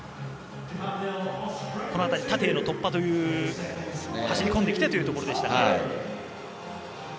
この辺り縦への突破という走りこんできているということでした。